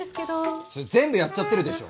それ全部やっちゃってるでしょ。